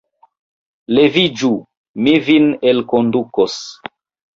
Leviĝu, mi vin elkondukos!